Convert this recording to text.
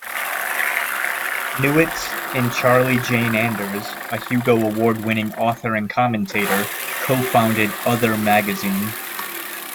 Newitz and Charlie Jane Anders, a Hugo award-winning author and commentator, co-founded "Other" magazine.